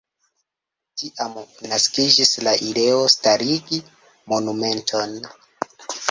Tiam naskiĝis la ideo starigi monumenton.